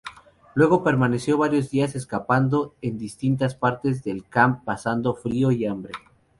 Luego permaneció varios días escapando en distintas partes del camp pasando frío y hambre.